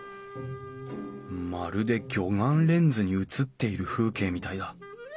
まるで魚眼レンズに映っている風景みたいだ。